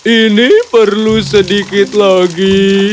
ini perlu sedikit lagi